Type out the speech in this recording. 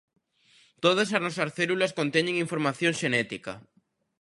Todas as nosas células conteñen información xenética.